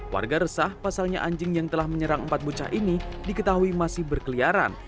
warga resah pasalnya anjing yang telah menyerang empat bocah ini diketahui masih berkeliaran